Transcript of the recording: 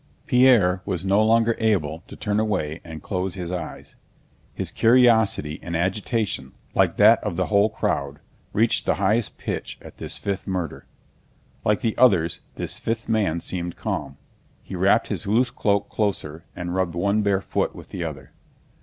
Pierre was no longer able to turn away and close his eyes. His curiosity and agitation, like that of the whole crowd, reached the highest pitch at this fifth murder. Like the others this fifth man seemed calm; he wrapped his loose cloak closer and rubbed one bare foot with the other.